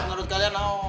menurut kalian apa